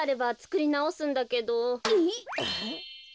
えっ。